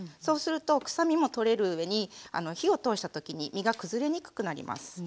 そうすると臭みも取れる上に火を通した時に身が崩れにくくなります。